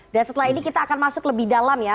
dan setelah ini kita akan masuk lebih dalam ya